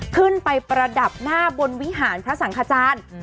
ประดับหน้าบนวิหารพระสังขจารย์